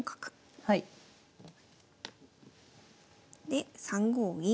で３五銀。